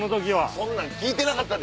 そんなん聞いてなかったで！